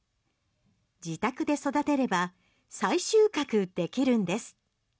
自宅で育てれば再収穫できるんです。